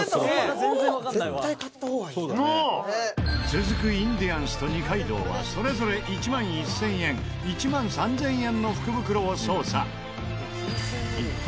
続くインディアンスと二階堂はそれぞれ１万１０００円１万３０００円の福袋を捜査。